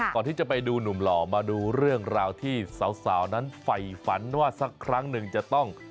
ไปดูหนุ่มหล่อมาดูเรื่องราวที่สาวนั้นไฟฝันว่าสักครั้งหนึ่งจะต้อง